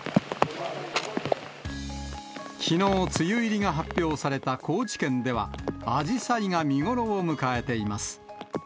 きのう、梅雨入りが発表された高知県では、アジサイが見頃を迎えています。